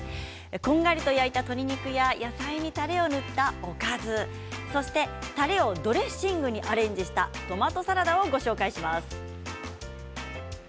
こんがりと焼いた鶏肉や野菜にたれを塗ったおかずそしてたれをドレッシングにアレンジしたトマトサラダをご紹介します。